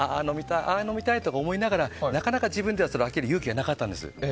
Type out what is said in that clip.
飲みたいと思いながらなかなか自分では開ける勇気がなかったんです。